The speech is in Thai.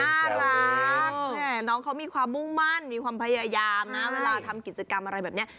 น่ารักน้องเขามีความมุ่งมั่นมีความพยายามนะเวลาทำกิจกรรมอะไรแบบนี้